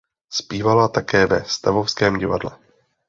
Zpívala také ve Stavovském divadle.